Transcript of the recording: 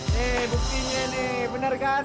nih buktinya nih bener kan